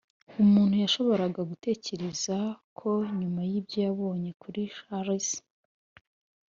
“Umuntu yashoboraga gutekereza ko nyuma yibyo yaboneye kuri Chris